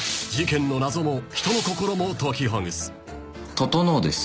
「整です。